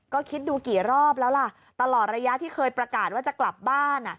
ก็คิดดูกี่รอบแล้วล่ะตลอดระยะที่เคยประกาศว่าจะกลับบ้าน